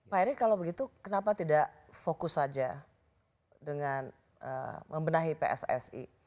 pak erick kalau begitu kenapa tidak fokus saja dengan membenahi pssi